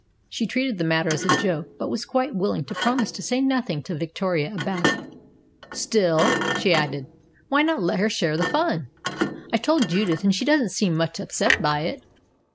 She treated the matter as a joke, but was quite willing to promise to say nothing to Victoria about it. "Still," she added, "why not let her share the fun? I told Judith, and she doesn't seem much upset by it."